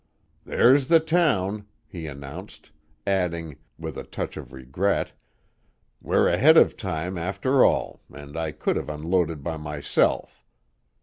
"There's the town," he announced, adding, with a touch of regret: "We're ahead of time, after all, an' I could have unloaded by myself.